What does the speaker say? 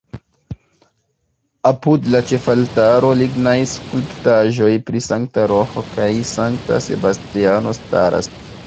Apud la ĉefaltaro lignaj skulptaĵoj pri Sankta Roĥo kaj Sankta Sebastiano staras.